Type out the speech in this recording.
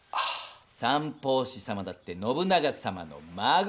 三法師様だって信長様の孫！